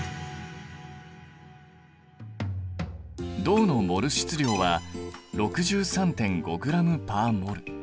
銅のモル質量は６３．５ｇ／ｍｏｌ。